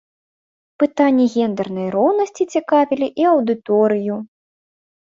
Пытанні гендэрнай роўнасці цікавілі і аўдыторыю.